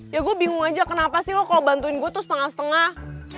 ya gue bingung aja kenapa sih lo kalau bantuin gue tuh setengah setengah